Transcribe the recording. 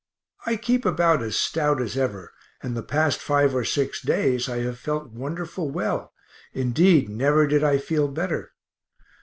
I keep about as stout as ever, and the past five or six days I have felt wonderful well, indeed never did I feel better.